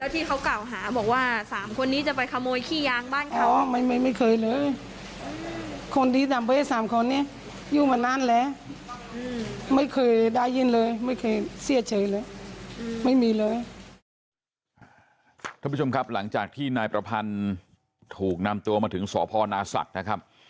ท่านผู้ชมครับหลังจากที่นายประพันธ์ถูกนำตัวมาถึงสพนาศักดิ์นะครับ